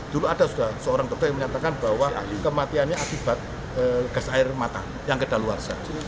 dulu ada sudah seorang dokter yang menyatakan bahwa kematiannya akibat gas air mata yang kedaluarsa